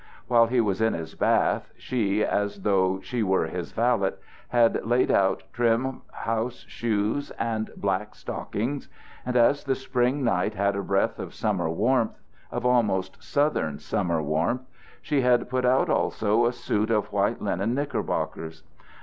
While he was in his bath, she, as though she were his valet, had laid out trim house shoes and black stockings; and as the spring night had a breath of summer warmth, of almost Southern summer warmth, she had put out also a suit of white linen knickerbockers.